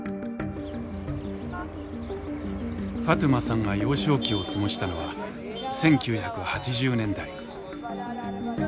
ファトゥマさんが幼少期を過ごしたのは１９８０年代。